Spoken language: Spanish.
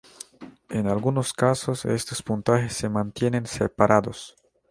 En algunos casos, estos puntajes se mantienen separados.